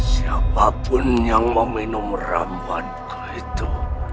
siapa pun yang meminum rambuan ku itu